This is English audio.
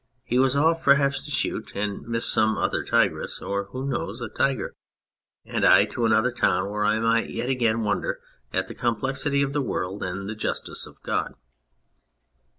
He was off perhaps to shoot (and miss) some other tigress (or, who knows, a tiger ?) and I to another town where I might yet again wonder at the complexity of the world and the justice of God